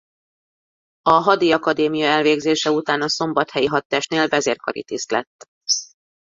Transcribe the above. A Hadiakadémia elvégzése után a szombathelyi hadtestnél vezérkari tiszt lett.